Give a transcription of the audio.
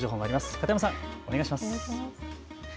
片山さん、お願いします。